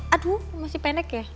aduh masih pendek ya